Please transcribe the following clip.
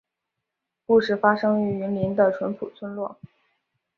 故事发生于云林的纯朴村落